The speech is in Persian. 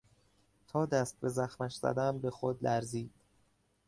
تا دست به زخمش زدم به خود لرزید.